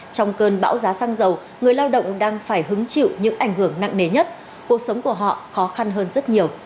trong cơn bão giá xăng dầu người lao động đang phải hứng chịu những ảnh hưởng nặng nề nhất cuộc sống của họ khó khăn hơn rất nhiều